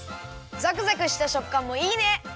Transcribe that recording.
ザクザクしたしょっかんもいいね！